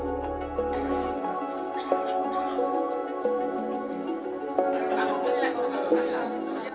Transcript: berita terkini mengenai kualitas pelayanan dan penerimaan